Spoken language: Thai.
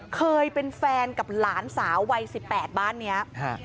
เคยเป็นแฟนกับหลานสาววัย๑๘บ้านเนี้ย